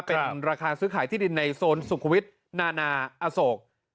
เป็นราคาซื้อขายที่ดินในโซนสุขวิทย์นานาอโศก